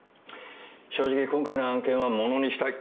正直今回の案件は物にしたい。